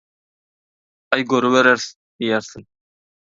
«Aý, görübereris» diýersiň.